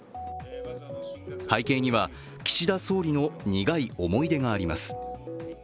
背景には、岸田総理の苦い思い出があります。